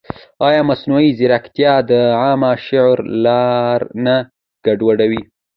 ایا مصنوعي ځیرکتیا د عامه شعور لار نه ګډوډوي؟